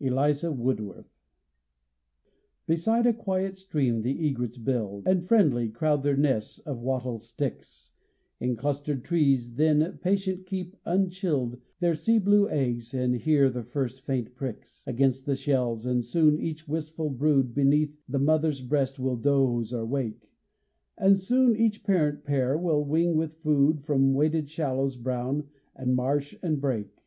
ELIZA WOODWORTH. Beside a quiet stream the egrets build, And, friendly, crowd their nests of wattled sticks In clustered trees, then patient keep unchilled Their sea blue eggs, and hear the first faint pricks Against the shells; and soon each wistful brood Beneath the mother's breast will doze or wake; And soon each parent pair will wing with food From waded shallows brown, and marsh and brake.